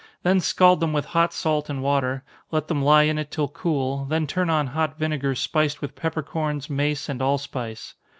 Then scald them with hot salt and water, let them lie in it till cool, then turn on hot vinegar spiced with peppercorns, mace and allspice.